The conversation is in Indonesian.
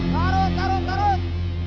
tarut tarut tarut